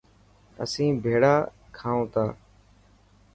اسين ڀيڙا کائون تا.